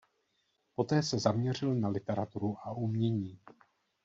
Poté se zaměřil na literaturu a umění.